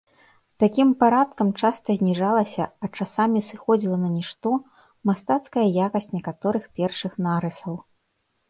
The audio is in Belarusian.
Такім парадкам часта зніжалася, а часамі сыходзіла на нішто, мастацкая якасць некаторых першых нарысаў.